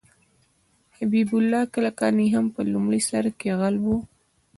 حبیب الله کلکاني هم په لومړي سر کې غل و.